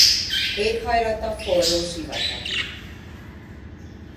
Éghajlata forró sivatagi.